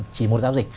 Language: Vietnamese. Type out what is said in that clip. chỉ một giao dịch